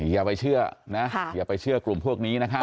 อย่าไปเชื่อนะอย่าไปเชื่อกลุ่มพวกนี้นะครับ